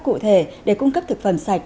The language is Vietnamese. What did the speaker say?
cụ thể để cung cấp thực phẩm sạch